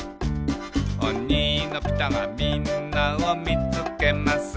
「おにのピタがみんなをみつけます」